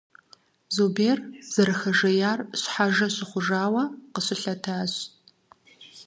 Зубер, зэрыхэжеяр щхьэжэ щыхъуауэ, къыщылъэтащ.